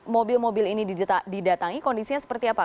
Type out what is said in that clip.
mobil mobil ini didatangi kondisinya seperti apa